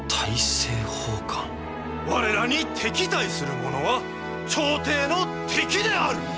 我らに敵対するものは朝廷の敵である！